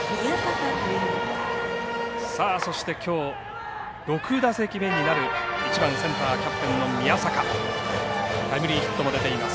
さあ、そしてきょう６打席目になる１番センターキャプテンの宮坂タイムリーヒットも出ています。